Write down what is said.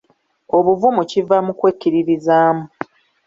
Obuvumu kiva mu kwekkiririzaamu.